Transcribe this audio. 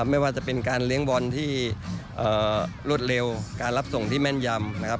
ไม่ว่าจะเป็นการเลี้ยงบอลที่รวดเร็วการรับส่งที่แม่นยำนะครับ